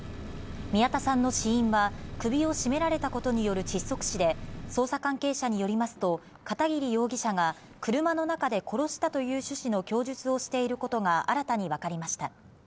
宮田さんの死因は、首を絞められたことによる窒息死で、捜査関係者によりますと、片桐容疑者が、車の中で殺したという趣旨の供述をしていることが、新たに分かりました。